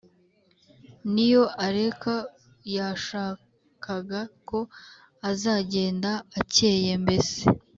niyo areka yashakaga ko azagenda akeye mbese